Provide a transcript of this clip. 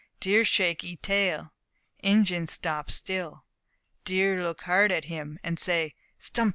Deer shake 'ee tail; Injin stop still. Deer look hard at him, and say "stump!